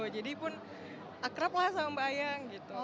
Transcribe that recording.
jadi pun akrab lah sama mbak ayang